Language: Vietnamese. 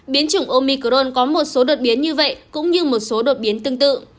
biến chủng omicron có một số đột biến như vậy cũng như một số đột biến tương tự